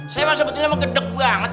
saya mah sebetulnya mau gedeg banget